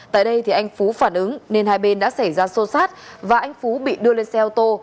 tại đây anh phú phản ứng nên hai bên đã xảy ra xô xát và anh phú bị đưa lên xe ô tô